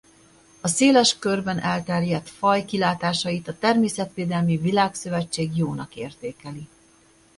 A széles körben elterjedt faj kilátásait a Természetvédelmi Világszövetség jónak értékeli.